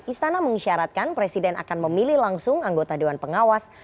istana mengisyaratkan presiden akan memilih langsung anggota dewan pengawas